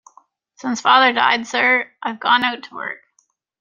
Since father died, sir, I've gone out to work.